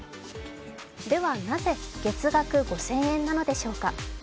では、なぜ月額５０００円なのでしょうか。